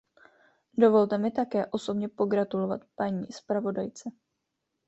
Dovolte mi také osobně pogratulovat paní zpravodajce.